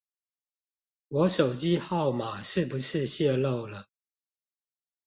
我手機號碼是不是洩露了